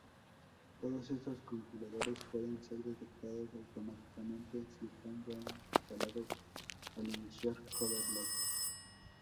Todos estos compiladores pueden ser detectados automáticamente si están ya instalados al iniciar "Code::Blocks".